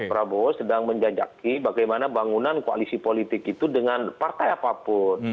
prabowo sedang menjajaki bagaimana bangunan koalisi politik itu dengan partai apapun